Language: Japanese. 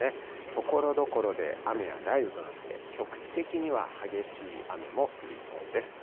ところどころで雨や雷雨となって、局地的には激しい雨も降りそうです。